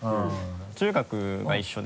中学が一緒で。